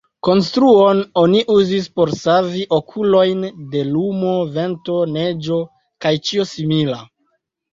Konstruon oni uzis por savi okulojn de lumo, vento, neĝo kaj ĉio simila.